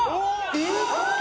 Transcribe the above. えっ！？